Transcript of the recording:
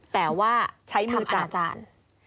แต่ว่าทำอาจารย์